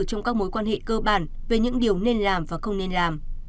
trong các mối quan hệ cơ bản về những điều nên làm và không nên làm